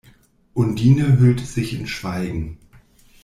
Undine hüllt sich in Schweigen.